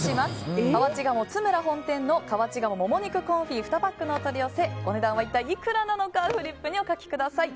河内鴨ツムラ本店の河内鴨もも肉コンフィ２パックのお取り寄せお値段はいくらかフリップにお書きください。